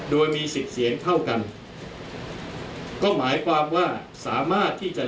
โดยมีสิบเสียงเท่ากันก็หมายความว่าสามารถที่จะ